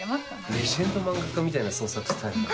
レジェンド漫画家みたいな創作スタイルだな。